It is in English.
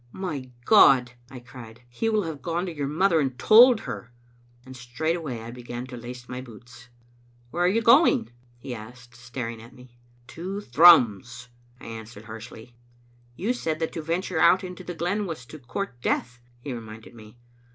"My God!" I cried. "He will have gone to your mother and told her." And straightway I began to lace my boots. " Where are you going?" he asked, staring at me. "To Thrums," I answered harshly. " You said that to venture out into the glen was to court death," he reminded me.